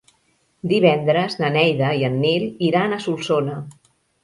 Divendres na Neida i en Nil iran a Solsona.